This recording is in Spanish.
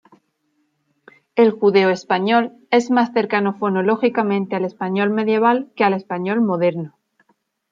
El judeoespañol es más cercano fonológicamente al español medieval que al español moderno.